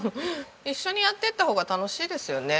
一緒にやっていった方が楽しいですよね